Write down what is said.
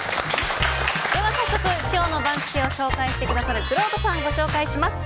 早速、今日の番付を紹介してくださるくろうとさんをご紹介します。